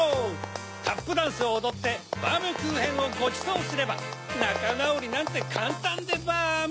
タップダンスをおどってバームクーヘンをごちそうすればなかなおりなんてかんたんでバーム。